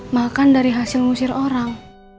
makan dari hasil musir orang